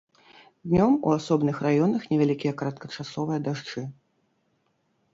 Днём у асобных раёнах невялікія кароткачасовыя дажджы.